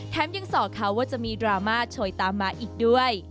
ยังส่อเขาว่าจะมีดราม่าโชยตามมาอีกด้วย